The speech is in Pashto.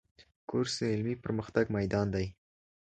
کورس د علمي پرمختګ میدان دی.